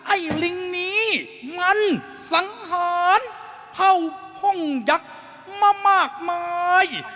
ไอ้ลิงนี้มันสังหารเผ่าพ่งยักษ์มามากมาย